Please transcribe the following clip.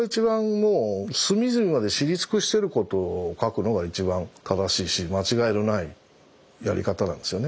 もう隅々まで知り尽くしてることを書くのが一番正しいし間違いのないやり方なんですよね。